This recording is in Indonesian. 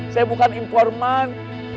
saya bukan informan